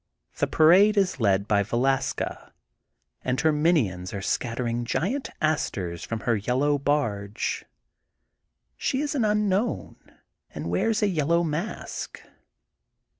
The parade is led by Velaska, and her minions are scattering giant asters from her yellow barge. She is an unknown and wears a yellow mask.